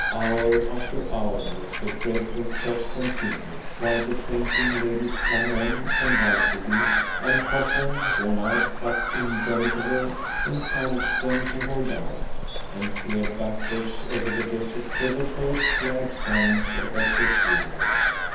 Hour after hour the dreadful trot continued, while the fainting ladies clung on convulsively, and Cochrane, worn out but indomitable, encouraged them to hold out, and peered backwards over the desert for the first glad signs of their pursuers.